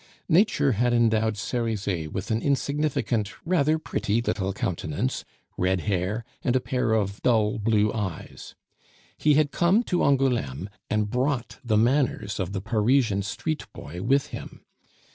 Nature had endowed Cerizet with an insignificant, rather pretty little countenance, red hair, and a pair of dull blue eyes; he had come to Angouleme and brought the manners of the Parisian street boy with him.